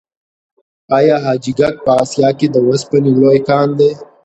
آیا حاجي ګک په اسیا کې د وسپنې لوی کان دی؟